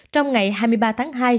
trong ngày hai mươi ba tháng hai